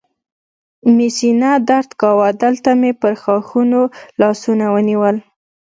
مې سینه درد کاوه، دلته مې پر ښاخونو لاسونه ونیول.